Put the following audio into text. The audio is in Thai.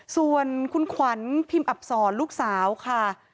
ส่วนคุณขวัญพิมพ์อับสอนลูกสาวค่ะ